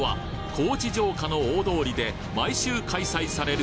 高知城下の大通りで毎週開催される